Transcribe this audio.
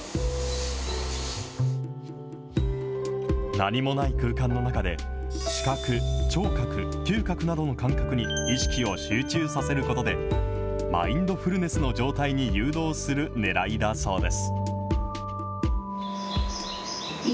何もない空間の中で、視覚、聴覚、嗅覚などの感覚に意識を集中させることで、マインドフルネスの状態に誘導するねらいだそうです。